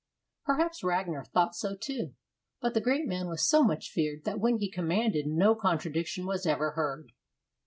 Perhaps Ragnar thought so too; but the great man was so much feared that when he commanded no contradiction was ever heard.